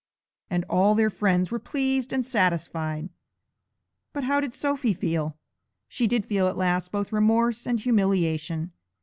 And all their friends were pleased and satisfied. But how did Sophy feel? She did feel at last both remorse and humiliation.